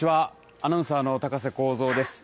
アナウンサーの高瀬耕造です。